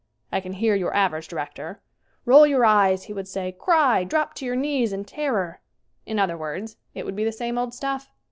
I can hear your average director : "Roll your eyes," he would say. "Cry! Drop to your knees in terror." In other words, it would be the same old stuff.